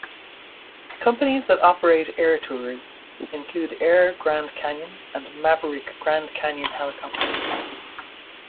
Companies that operate air tours include Air Grand Canyon and Maverick Grand Canyon Helicopters.